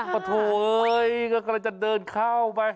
จ้ออยก็เลยจะเดินเข้าไป